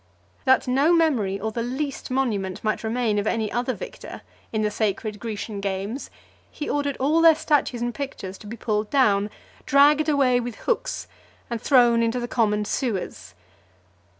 That no memory or the least monument might remain of any other victor in the sacred Grecian games, he ordered all their statues and pictures to be pulled down, dragged away with hooks, and thrown into the common sewers.